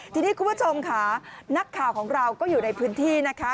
ทีนี้คุณผู้ชมค่ะนักข่าวของเราก็อยู่ในพื้นที่นะคะ